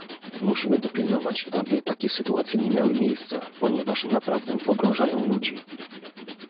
Musimy dopilnować, aby takie sytuacje nie miały miejsca, ponieważ naprawdę pogrążają ludzi